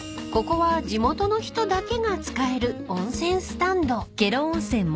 ここは地元の人だけが使える温泉スタンド］